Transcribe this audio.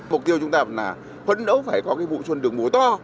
mục tiêu chúng ta là phấn đấu phải có cái vụ xuân đường mùa to